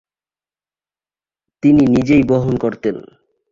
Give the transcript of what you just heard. তিনি নিজেই বহন করতেন।